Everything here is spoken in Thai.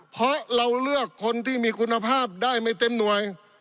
เพราะเราเลือกคนที่มีคุณภาพได้ไม่เต็มหน่วย